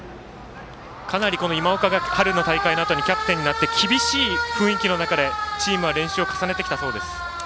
かなり今岡が春の大会のあとにキャプテンになって厳しい雰囲気の中でチームは練習を重ねてきたそうです。